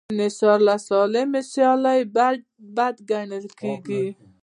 انحصار له سالمې سیالۍ بد ګڼل کېږي.